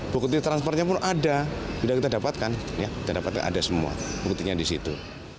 bukti transfernya pun ada sudah kita dapatkan kita dapatnya ada semua buktinya di situ